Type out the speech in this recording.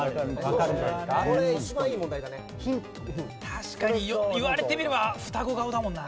確かに言われてみれば双子顔だもんな。